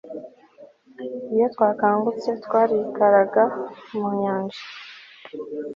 Iyo twakangutse twarikaraga mu nyanja